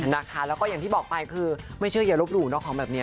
แล้วก็อย่างที่บอกไปคือไม่เชื่ออย่าลบหลู่เนาะของแบบนี้